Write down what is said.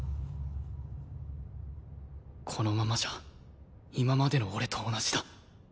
このままじゃ今までの俺と同じだ。